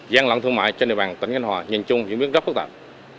giang lận thương mại trên địa bàn tỉnh cánh hòa nhìn chung diễn biến rất phức tạp